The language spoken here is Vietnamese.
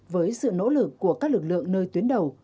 với sự nỗ lực của các lực lượng nơi tuyến đầu